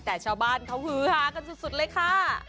แต่ชาวบ้านเขาฮือฮากันสุดเลยค่ะ